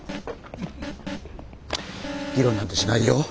議論なんてしないよ。